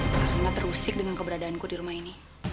karena terusik dengan keberadaanku di rumah ini